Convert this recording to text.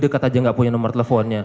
dekat aja nggak punya nomor teleponnya